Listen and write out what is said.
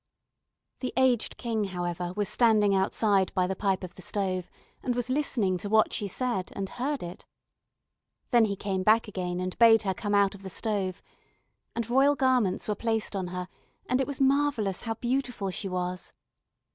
The aged King, however, was standing outside by the pipe of the stove, and was listening to what she said and heard it. Then he came back again, and bade her come out of the stove. And royal garments were placed on her, and it was marvellous how beautiful she was!